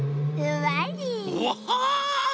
うわ！